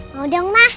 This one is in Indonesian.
mau dong ma